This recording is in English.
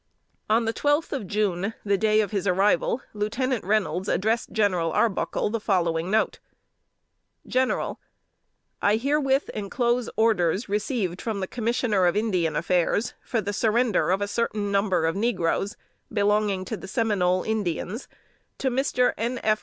On the twelfth of June, the day of his arrival, Lieutenant Reynolds addressed General Arbuckle the following note: "GENERAL: I herewith enclose orders, received from the Commissioner of Indian Affairs, for the surrender of a certain number of negroes, belonging to the Seminole Indians, to Mr. N. F.